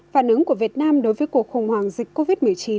phản ứng của việt nam đối với cuộc khủng hoảng dịch covid một mươi chín